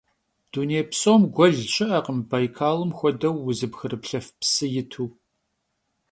Dunêy psom guel şı'ekhım Baykalım xuedeu vuzıpxıplhıf psı yitu.